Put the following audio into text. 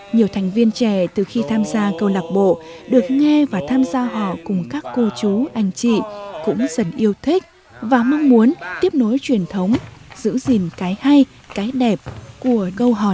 nhiều thành viên trẻ từ khi tham gia câu lạc bộ được nghe và tham gia hò cùng các cô chú anh chị cũng dần yêu thích và mong muốn tiếp nối truyền thống giữ gìn cái hay cái đẹp của câu hòn